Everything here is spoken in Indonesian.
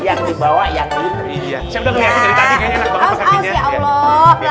yang dibawa yang itu